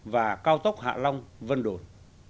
và cao tốc hạ long vân đồn